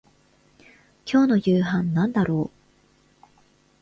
今日の夕飯なんだろう